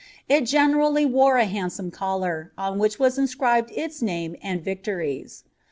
It generally wore a handsome collar, on which was inscribed its name and victories.